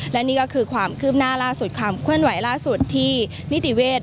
และนี่ก็คือความคืบหน้าล่าสุดความเคลื่อนไหวล่าสุดที่นิติเวศ